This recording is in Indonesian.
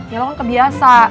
ya lu kan kebiasa